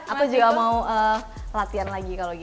atau juga mau latihan lagi kalau gitu